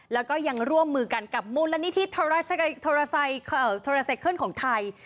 แล้วก็ยังร่วมมือกันกับมูลนิธิโทรไซเคิลของไทย